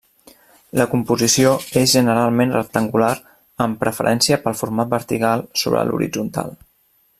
La composició és generalment rectangular amb preferència pel format vertical sobre l’horitzontal.